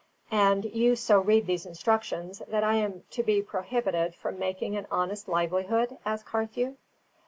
"And you so read these instructions, that I am to be prohibited from making an honest livelihood?" asked Carthew.